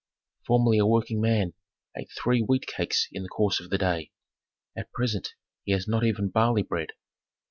"Formerly a working man ate three wheat cakes in the course of the day; at present he has not even barley bread.